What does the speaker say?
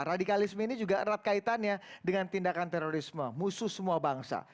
radikalisme ini juga erat kaitannya dengan tindakan terorisme musuh semua bangsa